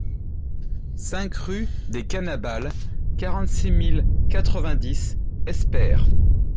cinq rue des Canabals, quarante-six mille quatre-vingt-dix Espère